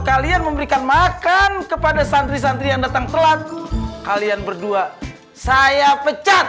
kalian memberikan makan kepada santri santri yang datang telat kalian berdua saya pecat